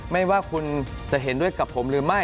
ไม่ว่าคุณจะเห็นด้วยกับผมหรือไม่